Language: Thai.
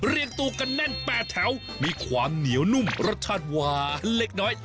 เรียกตัวกันแน่น๘แถวมีความเหนียวนุ่มรสชาติหวานเล็กน้อย